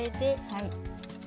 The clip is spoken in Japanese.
はい。